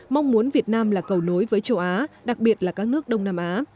mong muốn việt nam là cầu nối với châu á đặc biệt là các nước đông nam á